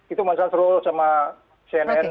itu mas sastrul sama cnn